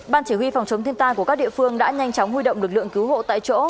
ban chỉ huy phòng chống thiên tai của các địa phương đã nhanh chóng huy động lực lượng cứu hộ tại chỗ